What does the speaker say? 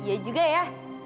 iya juga ya